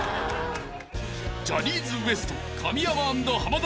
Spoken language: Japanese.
［ジャニーズＷＥＳＴ神山＆濱田